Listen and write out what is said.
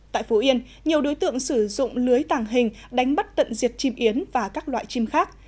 tại phú yên nhiều đối tượng sử dụng lưới tàng hình đánh bắt tận diệt chim yến và các loại chim khác